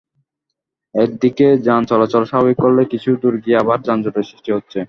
একদিকে যান চলাচল স্বাভাবিক করলে কিছু দূর গিয়ে আবার যানজটের সৃষ্টি হচ্ছে।